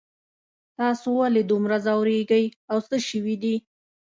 تاسو ولې دومره ځوریږئ او څه شوي دي